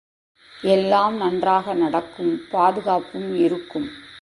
எல்லாம் நன்றாக நடக்கும் பாதுகாப்பும் இருக்கும்.